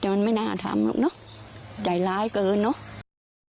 แต่มันไม่น่าทำลูกเนาะใจร้ายเกินเนาะ